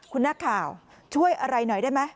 คุณนักข่าวช่วยอะไรหน่อยได้ไหม